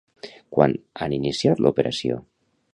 Quan han iniciat l'operació?